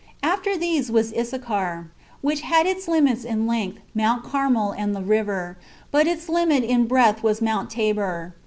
And after these was Issachar, which had its limits in length, Mount Carmel and the river, but its limit in breadth was Mount Tabor.